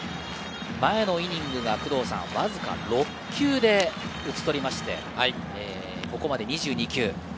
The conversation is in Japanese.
前のイニングがわずか６球で打ち取りまして、ここまで２２球。